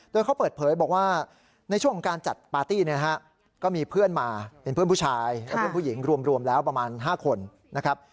โดยเขาเปิดเผยบอกว่าในช่วงของการจัดปาร์ตี้เนี่ยนะฮะก็มีเพื่อนมาเป็นเพื่อนผู้ชายและเพื่อนผู้หญิงรวมแล้วประมาณ๕คนนะครับ